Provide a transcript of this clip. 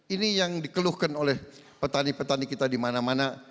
ini yang dikeluhkan oleh petani petani kita di mana mana